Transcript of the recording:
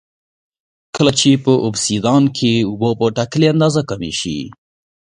کله چې په اوبسیدیان کې اوبه په ټاکلې اندازه کمې شي